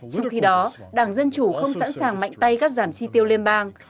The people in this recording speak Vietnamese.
trong khi đó đảng dân chủ không sẵn sàng mạnh tay cắt giảm chi tiêu liên bang